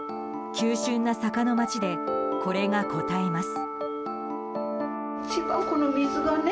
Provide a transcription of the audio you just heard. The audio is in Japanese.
急峻な坂の町でこれがこたえます。